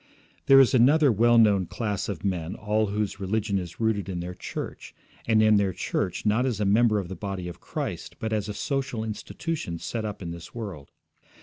There is another well known class of men all whose religion is rooted in their church, and in their church not as a member of the body of Christ, but as a social institution set up in this world.